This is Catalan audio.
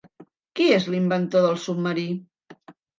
¿Qui és l'inventor del submarí?